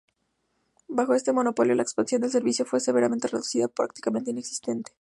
Bajo este monopolio, la expansión del servicio fue severamente reducida o prácticamente inexistente.